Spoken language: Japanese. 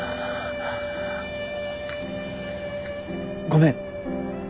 ごめん。